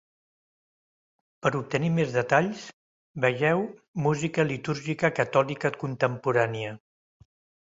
Per obtenir més detalls, vegeu Música litúrgica catòlica contemporània.